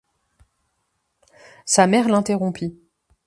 Sa mère l’interrompit.